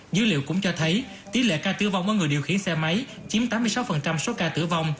dữ liệu cũng cho thấy tỷ lệ ca tử vong ở người điều khiển xe máy chiếm tám mươi sáu số ca tử vong